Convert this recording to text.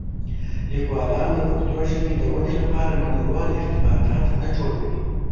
لیکوالان د پښتو ژبې د ودې لپاره نړيوال ارتباطات نه جوړوي.